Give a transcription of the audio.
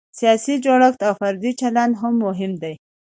سیاسي جوړښت او فردي چلند هم مهم دی.